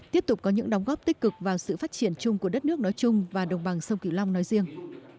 tiếp tục có những đóng góp tích cực vào sự phát triển chung của đất nước nói chung và đồng bằng sông kiều long nói riêng